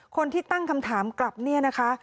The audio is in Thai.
คนที่ตั้งคำถามกลับเนี่ยนะคะ